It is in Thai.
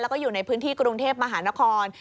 แล้วก็อยู่ในพื้นที่กรุงเทพมหานคร